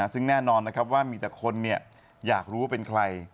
ซึ่งแน่นอนนะครับว่ามีแต่คนอยากรู้ว่าเป็นใคร